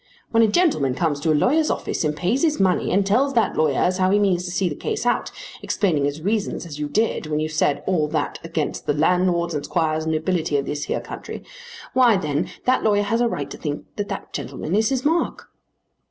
When a gentleman comes to a lawyer's office and pays his money and tells that lawyer as how he means to see the case out, explaining his reasons as you did when you said all that against the landlords and squires and nobility of this here country, why then that lawyer has a right to think that that gentleman is his mark."